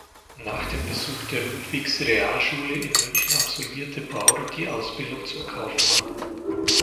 Nach dem Besuch der Ludwigs-Realschule in München absolvierte Baur die Ausbildung zum Kaufmann.